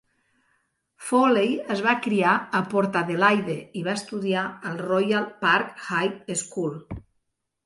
Foley es va criar a Port Adelaide i va estudiar al Royal Park High School.